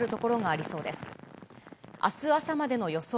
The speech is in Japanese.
あす朝までの予想